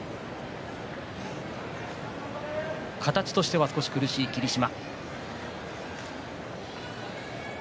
形としては少し苦しい霧島。